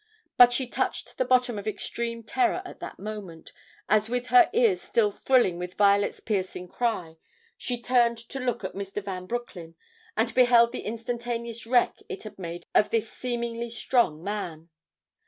But she touched the bottom of extreme terror at that moment, as with her ears still thrilling with Violet's piercing cry, she turned to look at Mr. Van Broecklyn, and beheld the instantaneous wreck it had made of this seemingly strong man.